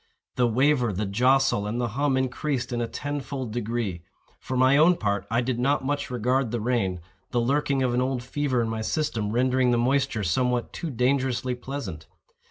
The waver, the jostle, and the hum increased in a tenfold degree. For my own part I did not much regard the rain—the lurking of an old fever in my system rendering the moisture somewhat too dangerously pleasant.